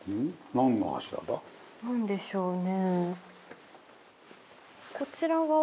何でしょうね？